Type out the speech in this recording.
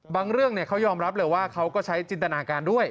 เรื่องเขายอมรับเลยว่าเขาก็ใช้จินตนาการด้วย